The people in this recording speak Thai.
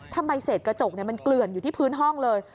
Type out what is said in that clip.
เศษกระจกมันเกลื่อนอยู่ที่พื้นห้องเลย